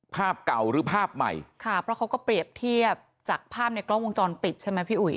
ภาพเก่าหรือภาพใหม่ค่ะเพราะเขาก็เปรียบเทียบจากภาพในกล้องวงจรปิดใช่ไหมพี่อุ๋ย